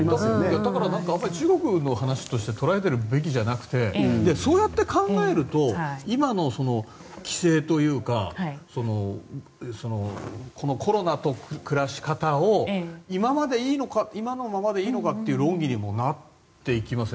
だからあまり中国の話として捉えるべきではなくてそうやって考えると今の規制というかこのコロナと暮らし方を今のままでいいのかって論議にもなっていきますよね。